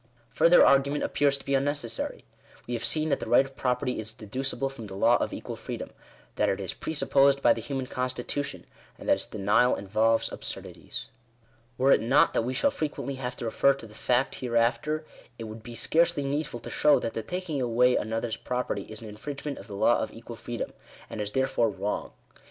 Further argument appears to be unnecessary. We have seen that the right of property is deducible from the law of equal freedom — that it is presupposed by the human constitution — and that its denial involves absurdities. Were it not that we shall frequently have to refer to the fact hereafter, it would be scarcely needful to show that the taking away another's property is an infringement of the law of equal freedom, and is therefore wrong.